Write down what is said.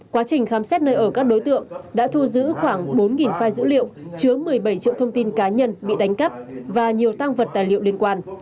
quá trình khám xét nơi ở các đối tượng đã thu giữ khoảng bốn file dữ liệu chứa một mươi bảy triệu thông tin cá nhân bị đánh cắp và nhiều tăng vật tài liệu liên quan